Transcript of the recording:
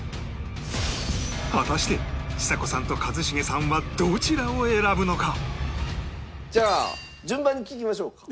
果たしてちさ子さんと一茂さんはじゃあ順番に聞きましょうか。